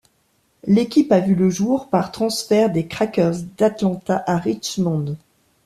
L'équipe a vu le jour par transfert des Crackers d'Atlanta à Richmond.